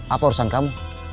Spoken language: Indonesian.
apa urusan kamu